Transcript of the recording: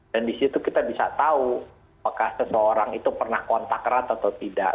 di situ kita bisa tahu apakah seseorang itu pernah kontak erat atau tidak